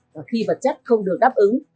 và khi vật chất không được đáp ứng